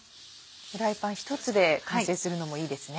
フライパン１つで完成するのもいいですね。